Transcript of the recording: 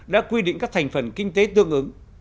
đã quy định các thành phần kinh tế tương ứng